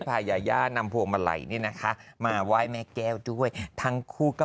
พายาย่านำพวงมาลัยนี่นะคะมาไหว้แม่แก้วด้วยทั้งคู่ก็